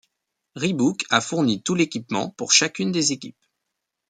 Reebok a fourni tout l'équipement pour chacune des équipes.